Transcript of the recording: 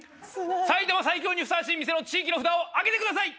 埼玉最強にふさわしい店の地域の札を上げてください！